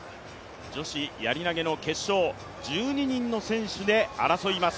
女子やり投の決勝、１２人の選手で争います。